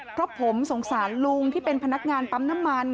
เพราะผมสงสารลุงที่เป็นพนักงานปั๊มน้ำมัน